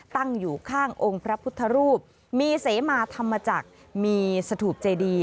ตั้งอยู่ข้างองค์พระพุทธรูปมีเสมาธรรมจักรมีสถูปเจดี